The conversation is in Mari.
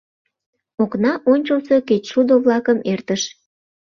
Окна ончылсо кечшудо-влакым эртыш.